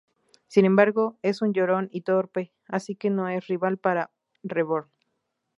Sin embargo, es un llorón y torpe así que no es rival para Reborn.